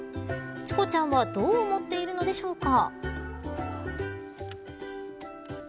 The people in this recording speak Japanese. チコちゃんはどう思っているのでしょうか。